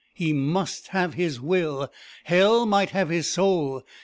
He must have his will: hell might have his soul.